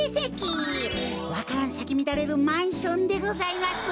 わか蘭さきみだれるマンションでございます。